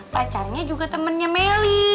pacarnya juga temennya meli